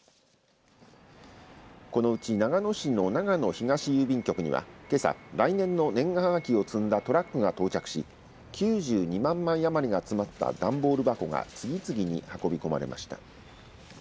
このうち長野市の長野東郵便局には、けさ来年の年賀はがきを積んだトラックが到着し９２万枚余りが詰まった段ボール箱が次々に運び込まれました。